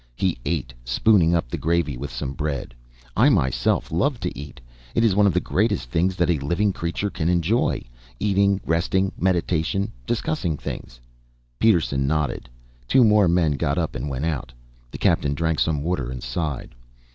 He ate, spooning up the gravy with some bread. "I, myself, love to eat. It is one of the greatest things that a living creature can enjoy. Eating, resting, meditation, discussing things." Peterson nodded. Two more men got up and went out. The Captain drank some water and sighed.